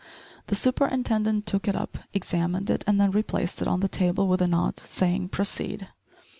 The superintendent took it up, examined it and then replaced it on the table with a nod, saying, "Proceed."